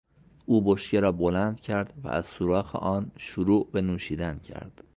او بشکه را بلند کرد و از سوراخ آن شروع به نوشیدن کرد.